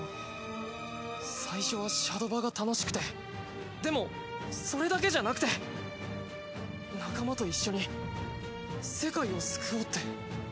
最初はシャドバが楽しくてでもそれだけじゃなくて仲間と一緒に世界を救おうって。